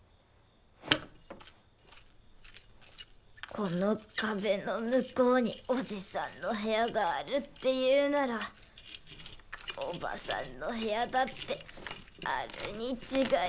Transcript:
この壁の向こうにおじさんの部屋があるっていうならおばさんの部屋だってあるに違いない！